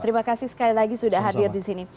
terima kasih sekali lagi sudah hadir di sini